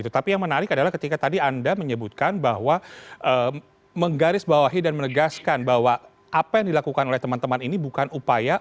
tapi yang menarik adalah ketika tadi anda menyebutkan bahwa menggarisbawahi dan menegaskan bahwa apa yang dilakukan oleh teman teman ini bukan upaya